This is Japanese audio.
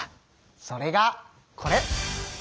それがこれ！